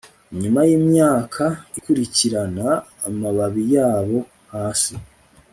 nyuma yimyaka, ukurikirana amababi yabo hasi